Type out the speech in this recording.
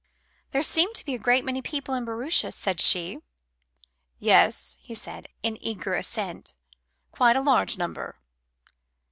"There seem to be a great many people in Bruges," said she. "Yes," he said, in eager assent. "Quite a large number."